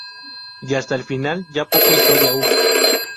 Y hasta el final ya poca historia hubo.